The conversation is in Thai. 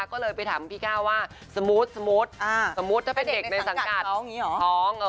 ก็เลยไปถามพี่ก้าวว่าสมมุติสมมุติถ้าเป็นเด็กในสังกัดท้อง